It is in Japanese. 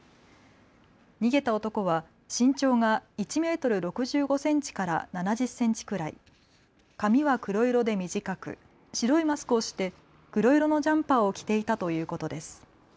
逃げた男は身長が１メートルメートル６５センチから７０センチくらい、髪は黒色で短く白いマスクをして黒色のジャンパーを着ていたということです。